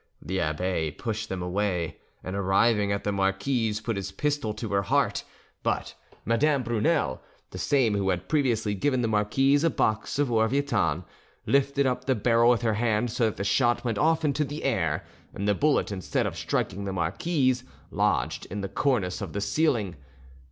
The abbe pushed them away, and arriving at the marquise, put his pistol to her heart; but Madame Brunel, the same who had previously given the marquise a box of orvietan, lifted up the barrel with her hand, so that the shot went off into the air, and the bullet instead of striking the marquise lodged in the cornice of the ceiling.